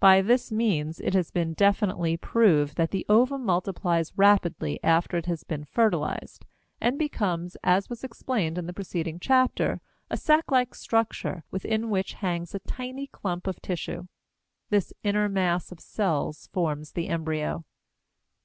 By this means it has been definitely proved that the ovum multiplies rapidly after it has been fertilized, and becomes, as was explained in the preceding chapter, a sac like structure within which hangs a tiny clump of tissue. This inner mass of cells forms the embryo.